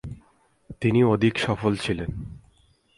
তিনি অধিক সফল ছিলেন।